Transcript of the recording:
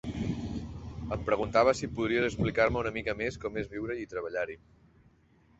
Em preguntava si podries explicar-me una mica més com és viure-hi i treballar-hi.